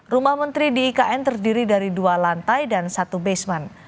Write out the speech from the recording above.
rumah menteri di ikn terdiri dari dua lantai dan satu basement